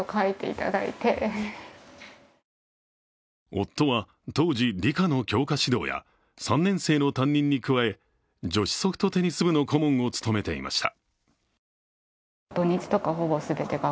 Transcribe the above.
夫は当時、理科の教科指導や３年生の担任に加え女子ソフトテニス部の顧問を務めていました。